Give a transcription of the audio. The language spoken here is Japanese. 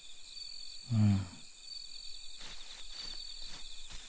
うん。